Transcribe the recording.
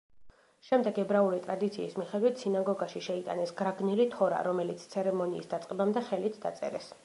შემდეგ ებრაული ტრადიციის მიხედვით სინაგოგაში შეიტანეს გრაგნილი თორა, რომელიც ცერემონიის დაწყებამდე ხელით დაწერეს.